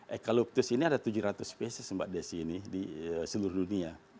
ekaluptus ini ada tujuh ratus spesies mbak desi ini di seluruh dunia